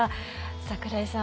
櫻井さん